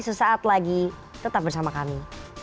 sesaat lagi tetap bersama kami